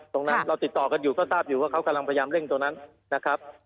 เราติดต่อกันอยู่ก็ทราบอยู่ว่าเขากำลังพยายามเร่งตรงนั้นนะครับ